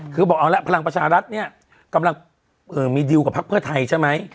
คือบอกเอาละพลังประชารัฐเนี่ยกำลังมีดิวกับพักเพื่อไทยใช่ไหม